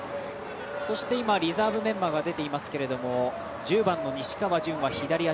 そしてリザーブメンバーが出ていますけど、１０番の西川潤は左足。